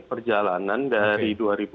perjalanan dari dua ribu dua puluh